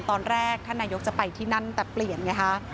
ตอนแรกท่านนายกจะไปที่นั่นแต่เปลี่ยนไงฮะ